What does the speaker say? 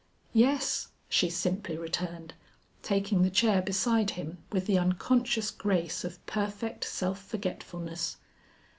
"Yes," she simply returned, taking the chair beside him with the unconscious grace of perfect self forgetfulness.